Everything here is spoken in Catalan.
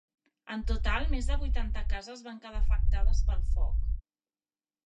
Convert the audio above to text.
En total, més de vuitanta cases van quedar afectades pel foc.